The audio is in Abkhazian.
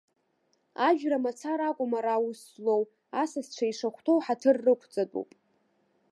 Ажәра мацара акәым ара аус злоу, асасцәа ишахәҭоу ҳаҭыр рықәҵатәуп.